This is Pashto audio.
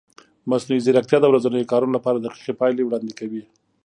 مصنوعي ځیرکتیا د ورځنیو کارونو لپاره دقیقې پایلې وړاندې کوي.